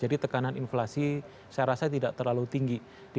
jadi tekanan inflasi saya rasa tidak terlalu tinggi dibandingkan dengan harga di dunia